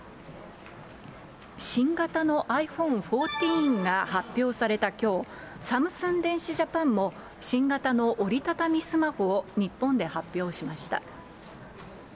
新型のｉＰｈｏｎｅ１４が発表されたきょう、サムスン電子ジャパンも、新型の折り畳みスマホを日本で発表しました。